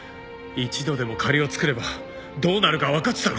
一度でも借りを作ればどうなるかわかってたろ。